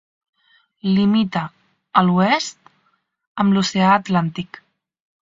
Limita a l'oest amb l'oceà Atlàntic.